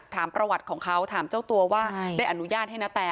ถามประวัติของเขาถามเจ้าตัวว่าได้อนุญาตให้นาแต